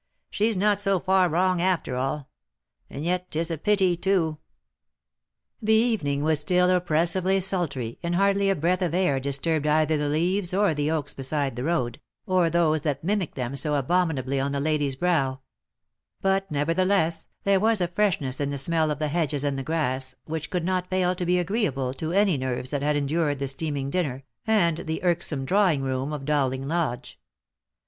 She's not so far wrong after all ; and yet 'tis a pity, too." '* The evening was still oppressively sultry, and hardly a breath of air disturbed either the leaves on the oaks beside the road, or those that mimicked them so abominably on the lady's brow ; but, never theless, there was a freshness in the smell of the hedges and the grass, which could not fail to be agreeable to any nerves that had endured the steaming dinner, and the irksome drawing room of Dowling Lodge.